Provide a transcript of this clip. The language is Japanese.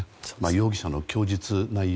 容疑者の供述内容